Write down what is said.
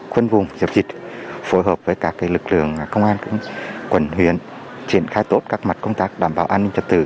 quân vùng dập dịch phối hợp với các lực lượng công an quận huyền triển khai tốt các mặt công tác đảm bảo an ninh trật tự